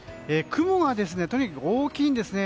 雲がとにかく大きいんですね。